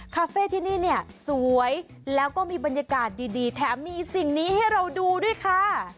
คาเฟ่ที่นี่เนี่ยสวยแล้วก็มีบรรยากาศดีแถมมีสิ่งนี้ให้เราดูด้วยค่ะ